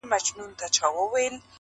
که غزلي د شېراز لال و مرجان دي,